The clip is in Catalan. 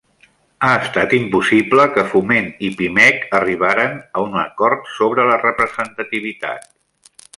Ha estat impossible que Foment i Pimec arribaren a un acord sobre la representativitat